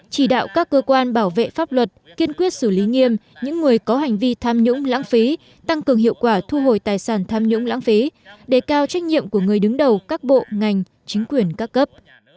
chỉ đạo các cơ quan bảo vệ pháp luật kiên quyết xử lý nghiêm những người có hành vi tham nhũng lãng phí tăng cường hiệu quả thu hồi tài sản tham nhũng lãng phí đề cao trách nhiệm của người đứng đầu các bộ ngành chính quyền các cấp